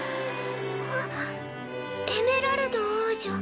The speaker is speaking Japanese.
あっエメラルド王女。